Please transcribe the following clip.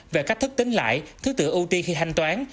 về cách thức tính lại thứ tự ưu tiên khi thanh toán